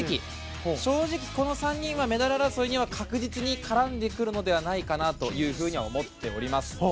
正直、この３人はメダル争いに確実に絡んでくるのではないかなと思っています。